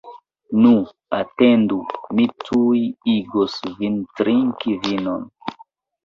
Nu, atendu, mi tuj igos vin trinki vinon!